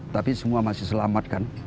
tapi semua masih selamat kan